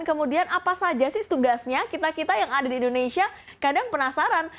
kemudian apa saja sih tugasnya kita kita yang ada di indonesia kadang penasaran